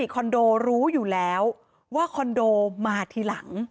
คอนโดรู้อยู่แล้วว่าคอนโดมาทีหลัง